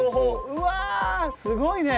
うわすごいね！